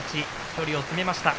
距離を詰めました。